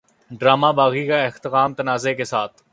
drama Baaghi کا اختتام تنازعے کے ساتھ